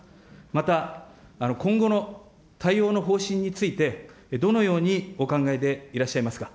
また、今後の対応の方針について、どのようにお考えでいらっしゃいますか。